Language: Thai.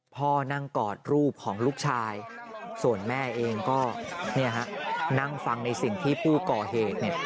พ่อนั่งกอดรูปของลูกชายส่วนแม่เองก็นั่งฟังในสิ่งที่ผู้ก่อเหตุเนี่ย